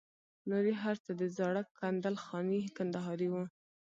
نور یې هر څه د زاړه کندل خاني کندهاري وو.